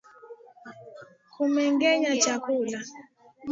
kumengenya chakula